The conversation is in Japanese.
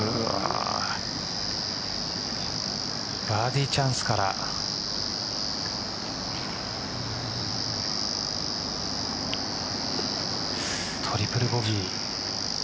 バーディーチャンスからトリプルボギー。